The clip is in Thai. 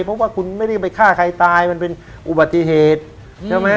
เพราะว่าคุณไม่ได้ไปฆ่าใครตายมันเป็นอุบัติเหตุใช่ไหม